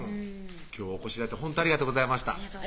今日はお越し頂いてほんとありがとうございました